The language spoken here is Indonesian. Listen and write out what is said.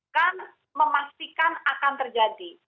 kan memastikan akan terjadi